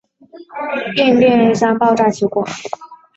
变电箱爆炸起火。